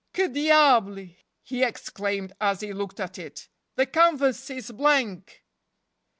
" Que diable! " he exclaimed, as he looked at it, " the canvas is blank!